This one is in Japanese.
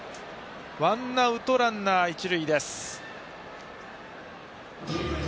ワンアウトランナー、一塁です。